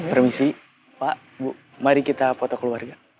permisi pak bu mari kita foto keluarga